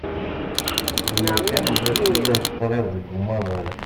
Lemmer kan ulac ula d ṭṭraḍ deg umaḍal.